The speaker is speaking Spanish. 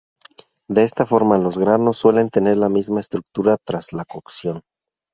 De esta forma, los granos suelen tener la misma estructura tras la cocción.